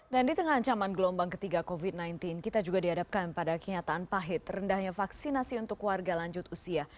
dan di tengah ancaman gelombang ketiga covid sembilan belas kita juga diadapkan pada kenyataan pahit rendahnya vaksinasi untuk keluarga lanjut usia